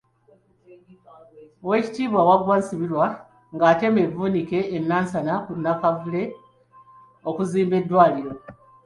Owekitiibwa Wagwa Nsibirwa ng'atema evvuunike e Nansana ku Nakkuule okuzimba eddwaliro.